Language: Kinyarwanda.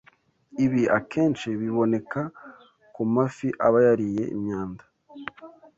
Ibi akenshi biboneka ku mafi aba yariye imyanda